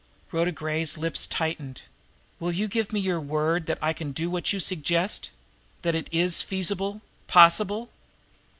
Rhoda Gray's lips tightened, "Will you give me your word that I can do what you suggest that it is feasible, possible?"